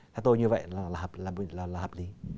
theo tôi như vậy là hợp lý